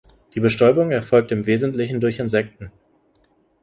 Die Bestäubung erfolgt im Wesentlichen durch Insekten.